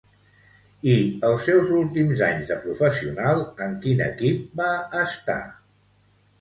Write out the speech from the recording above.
I els seus últims anys de professional en quin equip va estar?